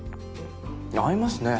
合いますね！